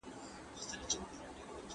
موږ به تر تېر سوو .